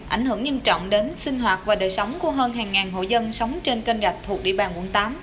ảnh hưởng nghiêm trọng đến sinh hoạt và đời sống của hơn hàng ngàn hộ dân sống trên kênh rạch thuộc địa bàn quận tám